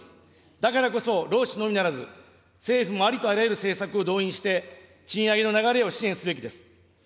だからこそ、労使のみならず政府もありとあらゆる政策を動員して、賃上げの流れを支援すべきです。